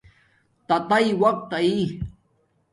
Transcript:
تاتاݵ اقت آݵ